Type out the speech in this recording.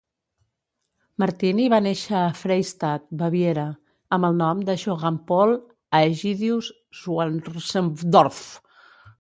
Martini va néixer a Freystadt, Baviera, amb el nom de Johann Paul Aegidius Schwarzendorf .